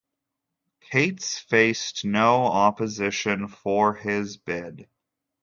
Cates faced no opposition for his bid.